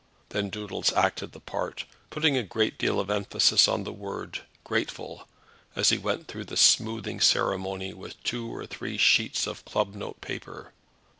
Then Doodles acted the part, putting a great deal of emphasis on the word grateful, as he went through the smoothing ceremony with two or three sheets of club notepaper.